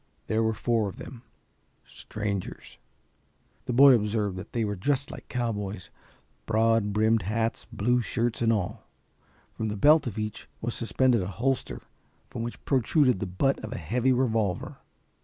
There were four of them strangers. The boy observed that they were dressed like cowboys, broad brimmed hats, blue shirts and all. From the belt of each was suspended a holster from which protruded the butt of a heavy revolver.